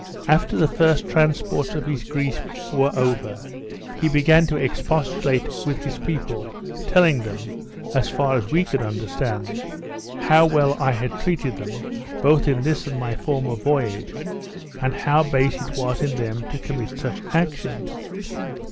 After the first transports of his grief were over, he began to expostulate with his people, telling them (as far as we could understand) how well I had treated them, both in this and my former voyage, and how base it was in them to commit such actions.